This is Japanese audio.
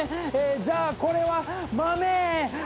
じゃあこれは。